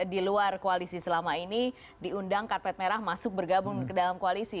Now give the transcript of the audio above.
di luar koalisi selama ini diundang karpet merah masuk bergabung ke dalam koalisi